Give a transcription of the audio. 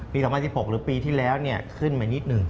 ๒๐๑๖หรือปีที่แล้วขึ้นมานิดหนึ่ง